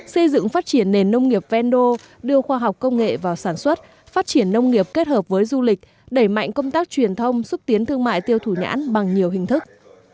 xây dựng phát triển nền nông nghiệp vendo đưa khoa học công nghệ vào sản xuất phát triển nông nghiệp kết hợp với du lịch đẩy mạnh công tác truyền thông xúc tiến thương mại tiêu thụ nhãn bằng nhiều hình thức